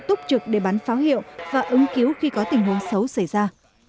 túc trực để bắn pháo hiệu và ứng cứu khi có tình huống xấu xảy ra